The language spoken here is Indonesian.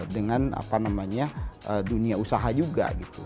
dengan dunia usaha juga gitu